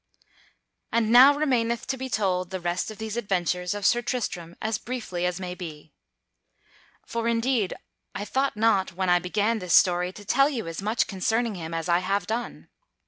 _ And now remaineth to be told the rest of these adventures of Sir Tristram as briefly as may be. For indeed I thought not, when I began this history, to tell you as much concerning him as I have done.